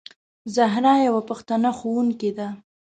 زهرا یوه پښتنه ښوونکې ده.